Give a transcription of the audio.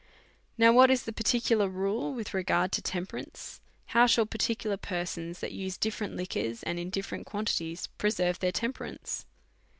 Now, what is the particular rule with regard to temperance? How shall particular persons, that use different liquors, and in different quantities, preserve their temperance